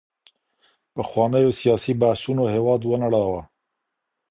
پخوانيو سياسي بحثونو هېواد ونړاوه.